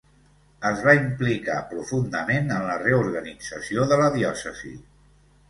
Es va implicar profundament en la reorganització de la diòcesi.